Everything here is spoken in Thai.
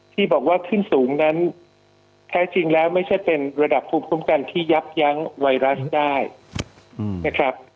ที่บอกว่าขึ้นสูงนั้นแท้จริงแล้วไม่ใช่เป็นระดับภูมิคุ้มกันที่ยับยั้งไวรัสได้นะครับ